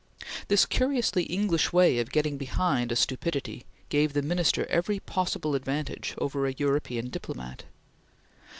This curiously English way of getting behind a stupidity gave the Minister every possible advantage over a European diplomat.